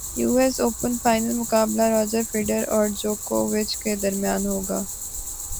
you S open final مقابلہ Roger Federer اور جوکووچ کے درمیان ہوگا